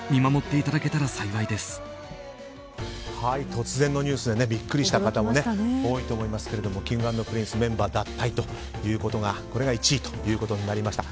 突然のニュースでビックリした方も多いと思いますけれどもＫｉｎｇ＆Ｐｒｉｎｃｅメンバー脱退これが１位となりました。